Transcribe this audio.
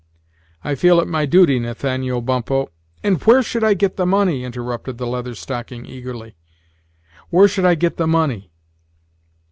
I feel it my duty, Nathaniel Bumppo " "And where should I get the money?" interrupted the Leather Stocking eagerly; "where should I get the money?